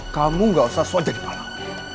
kamu gak usah suaja di palang